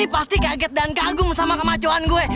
pasti kaget dan kagum sama kemajuan gue